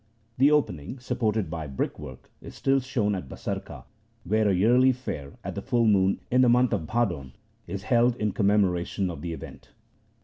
The opening, supported by brickwork, is still shown at Basarka, where a yearly fair, at the full moon in the month of Bhadon, is held in com memoration of the event.